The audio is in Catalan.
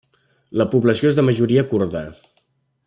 La població és de majoria kurda.